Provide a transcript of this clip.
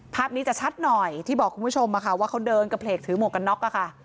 ภาพนี้จะชัดหน่อยที่บอกคุณผู้ชมค่ะว่าเขาเดินกระเพลกถือหมวกกันน็อกอะค่ะ